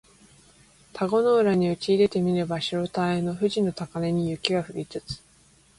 田子の浦にうちいでて見れば白たへの富士の高嶺に雪は降りつつ